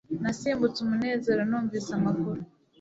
Nasimbutse umunezero numvise amakuru